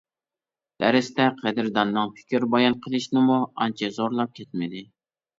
دەرستە قەدىرداننىڭ پىكىر بايان قىلىشىنىمۇ ئانچە زورلاپ كەتمىدى.